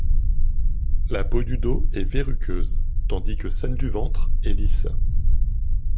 La peau du dos est verruqueuse, tandis que celle du ventre est lisse.